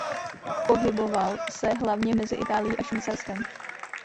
Pohyboval se hlavně mezi Itálií a Švýcarskem.